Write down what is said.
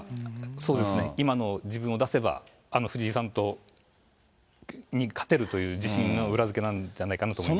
そうですね、今の自分を出せば、藤井さんに勝てるという自信の裏づけなんじゃないかなと思います。